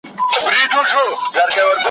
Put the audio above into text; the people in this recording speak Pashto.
سړي سمدستي کلا ته کړ دننه `